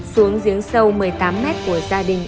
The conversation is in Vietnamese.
xuống giếng sâu một mươi tám mét của gia đình